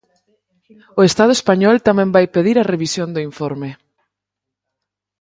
O estado español tamén vai pedir a revisión do informe.